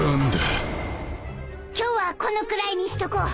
今日はこのくらいにしとこう。